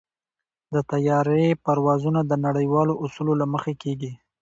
د طیارې پروازونه د نړیوالو اصولو له مخې کېږي.